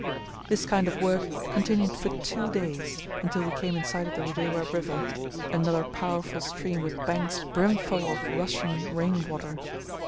This kind of work continued for two days, until we came in sight of the Rudewa river, another powerful stream with banks brimful of rushing rain water.